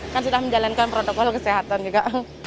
kan sudah menjalankan protokol kesehatan juga